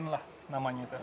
legend lah namanya itu